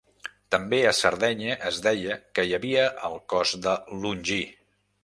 També a Sardenya es deia que hi havia el cos de Longí.